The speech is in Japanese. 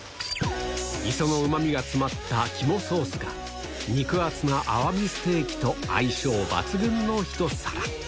磯のうまみが詰まった肝ソースが、肉厚なアワビステーキと相性抜群の一皿。